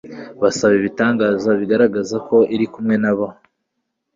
basaba ibitangaza bigaragaza ko Iri kumwe na bo